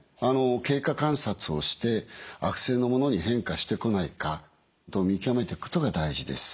経過観察をして悪性のものに変化してこないかと見極めていくことが大事です。